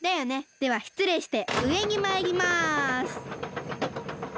ではしつれいしてうえにまいります。